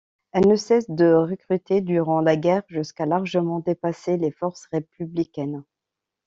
Elle ne cesse de recruter durant la guerre jusqu’à largement dépasser les forces républicaines.